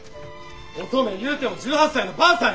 オトメ言うても１８歳のばあさんや！